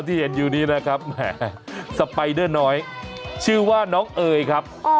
ที่เห็นอยู่นี้นะครับแหมสไปเดอร์น้อยชื่อว่าน้องเอ๋ยครับ